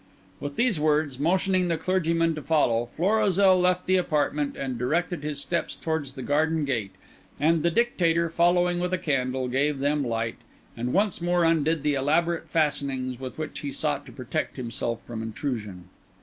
With these words, motioning the clergyman to follow, Florizel left the apartment and directed his steps towards the garden gate; and the Dictator, following with a candle, gave them light, and once more undid the elaborate fastenings with which he sought to protect himself from intrusion.